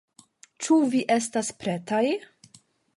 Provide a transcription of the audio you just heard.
Ĉu vi estas pretaj?